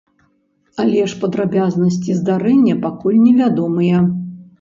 Але ж падрабязнасці здарэння пакуль невядомыя.